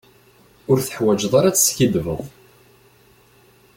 Ur teḥwaǧeḍ ara ad teskiddbeḍ.